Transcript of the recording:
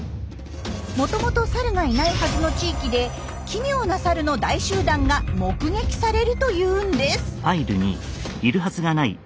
もともとサルがいないはずの地域で奇妙なサルの大集団が目撃されるというんです。